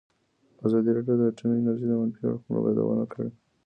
ازادي راډیو د اټومي انرژي د منفي اړخونو یادونه کړې.